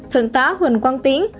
thượng tá huỳnh quang tiến